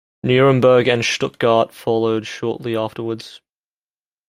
Nuremberg and Stuttgart followed shortly afterwards.